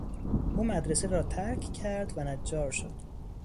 او مدرسه را ترک کرد و نجار شد.